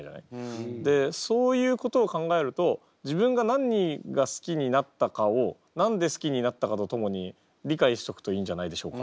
でそういうことを考えると自分が何が好きになったかを何で好きになったかとともに理解しとくといいんじゃないでしょうか。